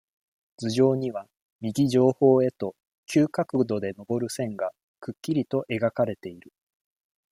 頭上には、右上方へと、急角度でのぼる線が、くっきりと描かれている。